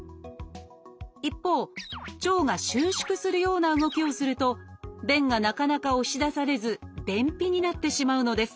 一方腸が収縮するような動きをすると便がなかなか押し出されず便秘になってしまうのです。